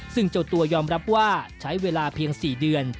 ซึ่งเจ้าตัวยอมรับว่าใช้เวลาเพียง๔เดือน